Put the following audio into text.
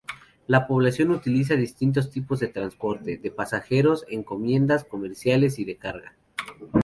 La población utiliza distintos tipos de transporte: de pasajeros, encomiendas, comerciales y de carga.